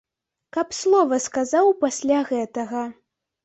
Каб слова сказаў пасля гэтага.